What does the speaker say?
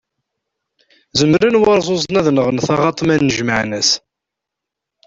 Zemren warzuzen ad nɣen taɣaṭ ma nnejmaɛen-as.